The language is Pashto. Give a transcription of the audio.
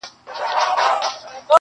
خو د غوجلې ځای لا هم چوپ او خالي دی,